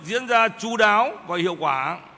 diễn ra chú đáo và hiệu quả